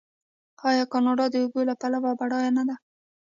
آیا کاناډا د اوبو له پلوه بډایه نه ده؟